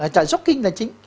chạy jogging là chính